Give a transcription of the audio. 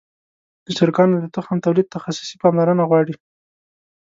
د چرګانو د تخم تولید تخصصي پاملرنه غواړي.